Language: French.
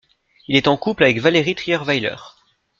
Il est en couple avec Valérie Trierweiler.